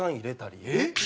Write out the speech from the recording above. えっ？